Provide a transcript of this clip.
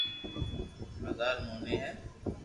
بزارر موٽي هي